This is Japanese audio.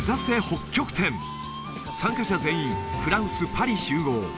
北極点参加者全員フランスパリ集合